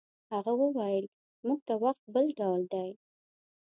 هغه وویل موږ ته وخت بل ډول دی.